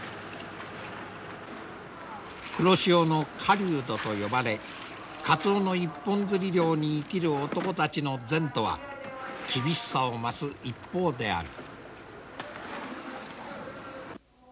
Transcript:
黒潮の狩人と呼ばれカツオの一本づり漁に生きる男たちの前途は厳しさを増す一方である。